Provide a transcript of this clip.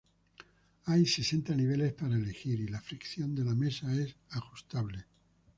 Hay sesenta niveles para elegir, y la fricción de la mesa es ajustable.